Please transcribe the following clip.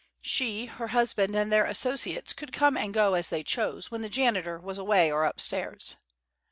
She, her husband, and their associates could come and go as they chose when the janitor was away or upstairs.